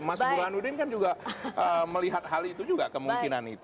mas burhanuddin kan juga melihat hal itu juga kemungkinan itu